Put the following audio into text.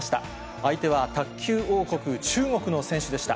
相手は卓球王国、中国の選手でした。